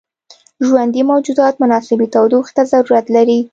ژوندي موجودات مناسبې تودوخې ته ضرورت لري.